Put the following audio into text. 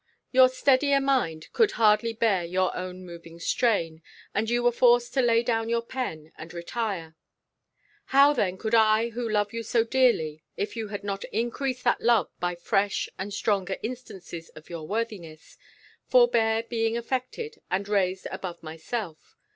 Your steadier mind could hardly bear your own moving strain, and you were forced to lay down your pen, and retire: how then could I, who love you so dearly, if you had not increased that love by fresh and stronger instances of your worthiness, forbear being affected, and raised above myself!